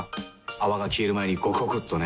泡が消える前にゴクゴクっとね。